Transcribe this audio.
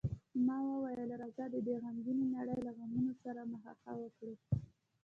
ما وویل: راځه، د دې غمګینې نړۍ له غمو سره مخه ښه وکړو.